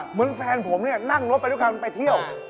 เหมือนแฟนผมเนี่ยนั่งรถไปด้วยกันไปเที่ยว